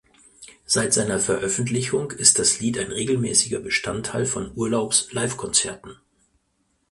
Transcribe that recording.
Seit seiner Veröffentlichung ist das Lied ein regelmäßiger Bestandteil von Urlaubs Livekonzerten.